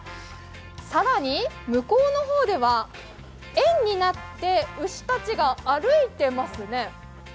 更に、向こうの方では、円になって牛たちが歩いていますね。